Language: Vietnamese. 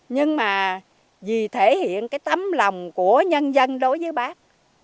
nhưng mà vì thể hiện cái tấm lòng của nhân dân đối với bác